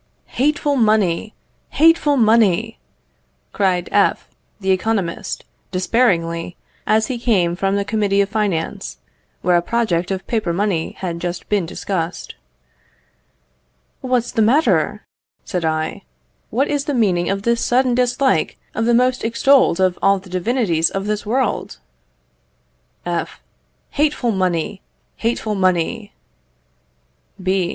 "Hateful money! hateful money!" cried F , the economist, despairingly, as he came from the Committee of Finance, where a project of paper money had just been discussed. "What's the matter?" said I. "What is the meaning of this sudden dislike to the most extolled of all the divinities of this world?" F. Hateful money! hateful money! B.